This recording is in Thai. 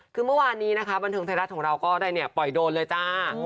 คือเมื่อวานนี้นะคะบันเทิงไทยรัฐของเราก็ได้เนี่ยปล่อยโดรนเลยจ้า